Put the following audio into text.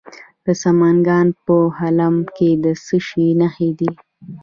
د سمنګان په خلم کې د څه شي نښې دي؟